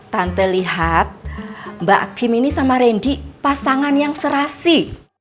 tante lihat mbak kim ini sama randy pasangan yang serasi